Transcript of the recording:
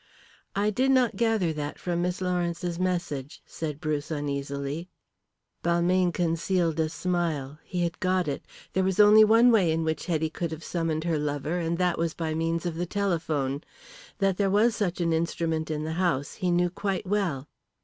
"I did not gather that from Miss Lawrence's message," said Bruce uneasily. Balmayne concealed a smile. He had got it. There was only one way in which Hetty could have summoned her lover, and that was by means of the telephone. That there was such an instrument in the house he knew quite well.